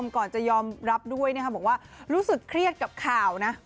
ก่อนจะยอมรับด้วยนะคะบอกว่ารู้สึกเครียดกับข่าวนะ